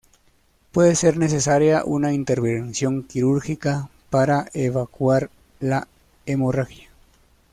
Puede ser necesaria una intervención quirúrgica para evacuar la hemorragia.